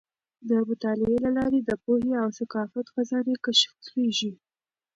د مطالعې له لارې د پوهې او ثقافت خزانې کشف کیږي.